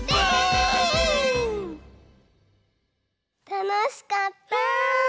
たのしかった。